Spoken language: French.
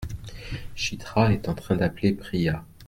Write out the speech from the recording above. Chitra est en train d’appeler Priya ?